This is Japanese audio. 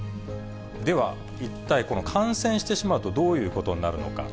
では、一体、この感染してしまうとどういうことになるのか。